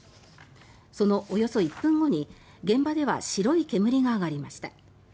そのおよそ１分後に現場では白い煙が上がりました。